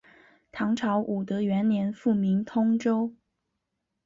唐朝武德元年复名通州。